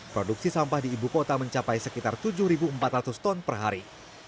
produksi sampah di ibu kota mencapai sekitar tujuh empat ratus ton per hari